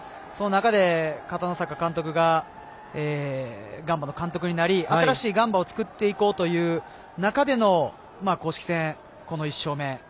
その中で、片野坂監督がガンバの監督になり新しいガンバを作っていこうという中での公式戦、この１勝目。